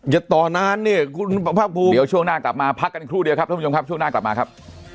ตอนนั้นเนี่ยคุณภาคภูมิเดี๋ยวช่วงหน้ากลับมาพักกันครู่เดียวครับท่านผู้ชมครับช่วงหน้ากลับมาครับ